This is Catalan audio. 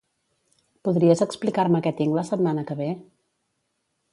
Podries explicar-me què tinc la setmana que ve?